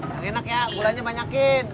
yang enak ya gulanya banyakin